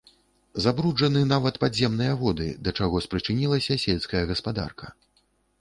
Забруджаны нават падземныя воды, да чаго спрычынілася сельская гаспадарка.